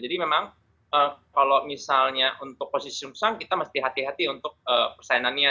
jadi memang kalau misalnya untuk posisi tsumksang kita harus hati hati persaingannya